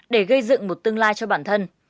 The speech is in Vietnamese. để gây dựng một tương lai cho bản thân